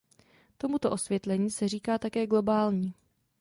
Tomuto osvětlení se říká také globální.